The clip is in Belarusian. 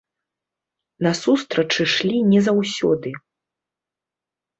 Насустрач ішлі не заўсёды.